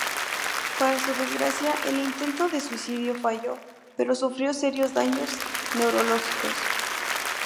Para su desgracia, el intento de suicidio falló, pero sufrió serios daños neurológicos.